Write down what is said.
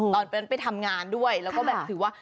ตอนนั้นไปทำงานด้วยแล้วก็แบบถือว่า